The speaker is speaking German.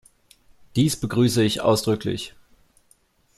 Dies begrüße ich ausdrücklich.